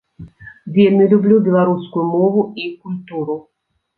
Вельмі люблю беларускую мову і культуру.